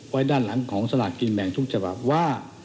ไว้ด้านหลังของสลากกินแบ่งทุกฉบับว่า